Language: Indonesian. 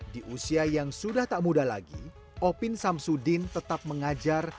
di usia yang sudah tak muda lagi opin samsudin tetap mengajar